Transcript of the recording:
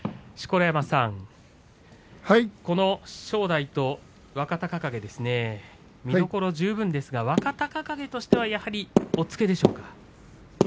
錣山さん、この正代と若隆景見どころ十分ですが若隆景としてやはり押っつけですか。